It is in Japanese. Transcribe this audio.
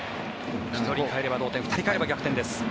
１人かえれば同点２人かえれば逆転です。